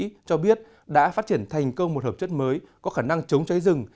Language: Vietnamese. stanford cho biết đã phát triển thành công một hợp chất mới có khả năng chống cháy rừng